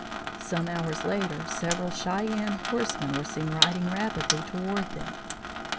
Some hours later, several Cheyenne horsemen were seen riding rapidly toward them.